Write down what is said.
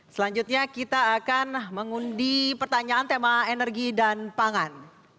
selanjutnya kita akan mengundi pertanyaan tema energi dan pangan